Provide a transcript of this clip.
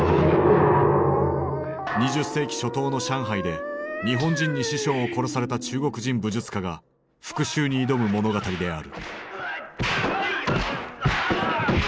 ２０世紀初頭の上海で日本人に師匠を殺された中国人武術家が復讐に挑む物語である。